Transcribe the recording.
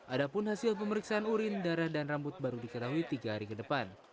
ada pun hasil pemeriksaan urin darah dan rambut baru diketahui tiga hari ke depan